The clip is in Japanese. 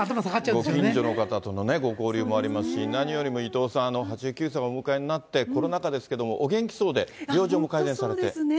ご近所の方とか、ご交流もありますし、何よりも伊藤さん、８９歳をお迎えになって、コロナ禍ですけども、お元気そうで、本当そうですね。